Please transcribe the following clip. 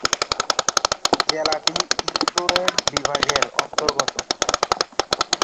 জেলাটি ইন্দোরের বিভাগের অন্তর্গত।